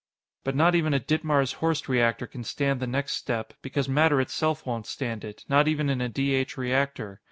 But not even a Ditmars Horst reactor can stand the next step, because matter itself won't stand it not even in a D H reactor.